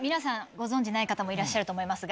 ご存じない方もいらっしゃると思いますが。